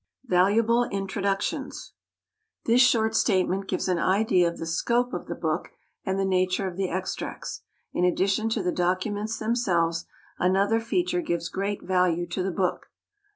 Valuable Introductions. This short statement gives an idea of the scope of the book and the nature of the extracts. In addition to the documents themselves, another feature gives great value to the book.